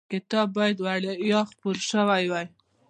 کتاب باید وړیا خپور شوی وای.